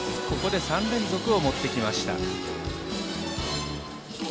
ここで３連続を持ってきました。